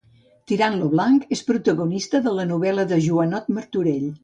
Tiramt lo Blanc és protagonista de la novel·la de Joanot Martorell